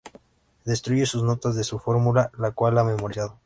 Destruye sus notas de su fórmula, la cual ha memorizado.